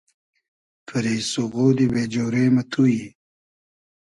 پئری سوغودی بې جۉرې مۂ تو یی